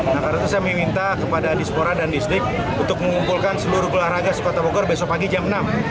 nah karena itu saya meminta kepada dispora dan distrik untuk mengumpulkan seluruh gelar raga kota bogor besok pagi jam enam